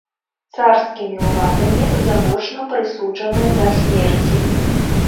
Царскімі ўладамі завочна прысуджаны да смерці.